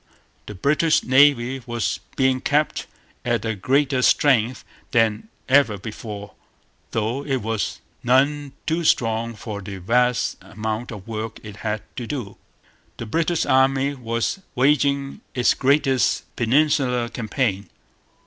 The British Navy was being kept at a greater strength than ever before; though it was none too strong for the vast amount of work it had to do. The British Army was waging its greatest Peninsular campaign.